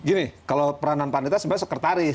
gini kalau peranan panita sebenarnya sekretaris